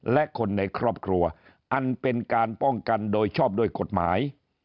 และคนในครอบครัวอันเป็นการป้องกันโดยชอบด้วยกฎหมาย